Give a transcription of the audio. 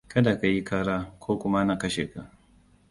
Kada ka yi kara, ko kuma na kashe ka.